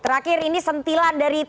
terakhir ini sentilan dari